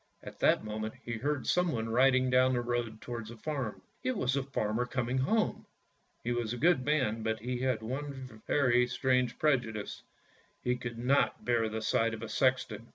At that moment he heard someone riding down the road towards the farm. It was the farmer coming home. He was a good man, but he had one very strange prejudice — he could not bear the sight of a sexton.